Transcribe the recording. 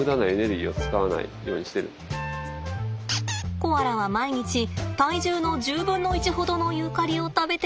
コアラは毎日体重の１０分の１ほどのユーカリを食べています。